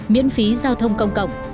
miễn phí giao thông công cộng